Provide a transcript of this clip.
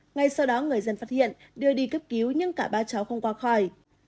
ngay sau đó người dân phát hiện đưa đi cấp cứu nhưng cả ba cháu không qua khỏi